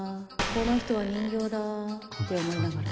この人は人形だって思いながら